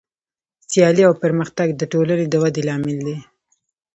سیالي او پرمختګ د ټولنې د ودې لامل دی.